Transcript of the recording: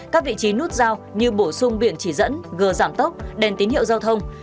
các vị trí nút giao như bổ sung biển chỉ dẫn gờ giảm tốc đèn tín hiệu giao thông